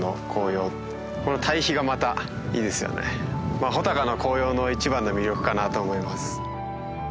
まあ穂高の紅葉の一番の魅力かなと思います。